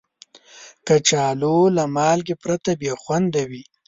کچالو له مالګې پرته بې خوند وي